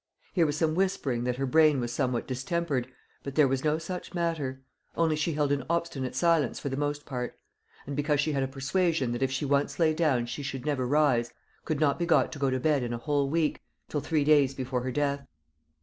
Here was some whispering that her brain was somewhat distempered, but there was no such matter; only she held an obstinate silence for the most part; and, because she had a persuasion that if she once lay down she should never rise, could not be got to go to bed in a whole week, till three days before her death....